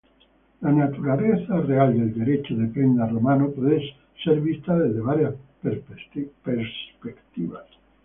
La naturaleza real del derecho de prenda romano puede ser vista desde varias perspectivas.